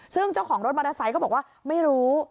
ซึ่งเจ้าของรถมอเตอร์ไซค์ก็บอกว่าไม่รู้